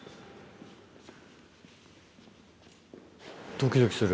ドキドキする。